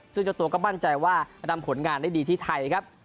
ซึ่งเจ้าตัวก็มั่นใจว่าจะทำผลงานได้ดีที่ไทยครับ